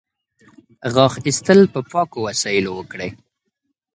غاښ ایستل په پاکو وسایلو وکړئ.